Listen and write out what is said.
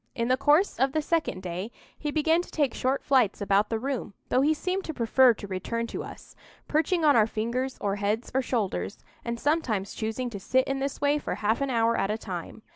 In the course of the second day he began to take short flights about the room, though he seemed to prefer to return to us; perching on our fingers or heads or shoulders, and sometimes choosing to sit in this way for half an hour at a time.